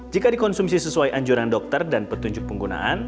jika dikonsumsi sesuai anjuran dokter dan petunjuk penggunaan